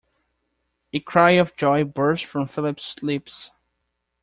A cry of joy burst from Philip's lips.